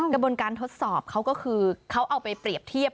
กระบวนการทดสอบเขาก็คือเขาเอาไปเปรียบเทียบ